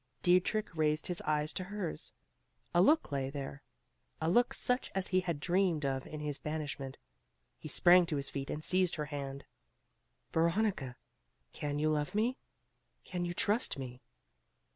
Dietrich raised his eyes to hers. A look lay there, a look such as he had dreamed of in his banishment. He sprang to his feet, and seized her hand. "Veronica, can you love me? can you trust me?"